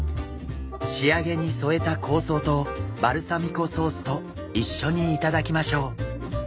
仕上げに添えた香草とバルサミコソースと一緒に頂きましょう。